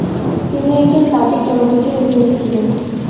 তিনি একজন "তাজিক" জনগোষ্ঠীর অধিবাসী ছিলেন।